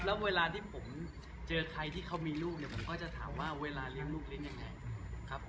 แล้วเวลาที่ผมเจอใครที่เขามีลูกเนี่ยผมก็จะถามว่าเวลาเลี้ยงลูกเลี้ยงยังไงครับ